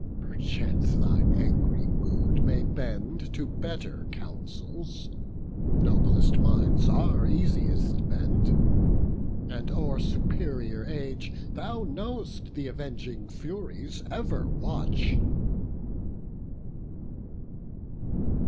perchance thine angry mood May bend to better counsels; noblest minds Are easiest bent; and o'er superior age Thou know'st th' avenging Furies ever watch."